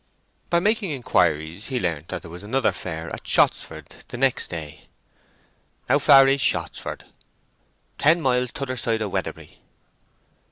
By making inquiries he learnt that there was another fair at Shottsford the next day. "How far is Shottsford?" "Ten miles t'other side of Weatherbury."